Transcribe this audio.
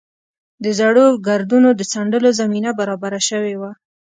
د زړو ګردونو د څنډلو زمینه برابره شوې وه.